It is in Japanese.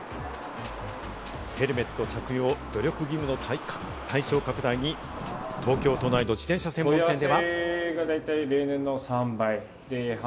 ヘルメット着用努力義務の対象拡大に東京都内の自転車専門店では。